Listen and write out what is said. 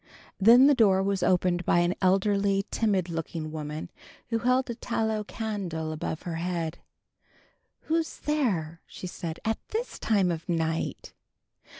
Then the door was opened by an elderly, timid looking woman, who held a tallow candle above her head. "Who's there?" she said, "at this time of night."